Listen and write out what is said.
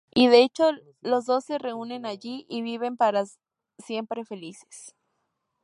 Y de hecho los dos se reúnen allí, y viven para siempre felices.